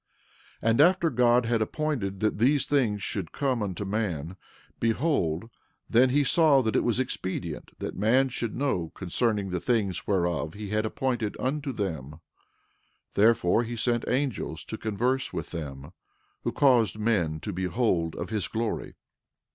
12:28 And after God had appointed that these things should come unto man, behold, then he saw that it was expedient that man should know concerning the things whereof he had appointed unto them; 12:29 Therefore he sent angels to converse with them, who caused men to behold of his glory.